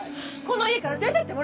この家から出てって。